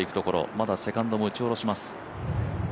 まだセカンドも打ち下ろします。